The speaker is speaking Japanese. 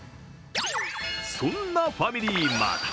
そんなファミリーマート